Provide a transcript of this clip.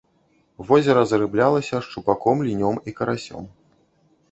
Возера зарыблялася шчупаком, лінём і карасём.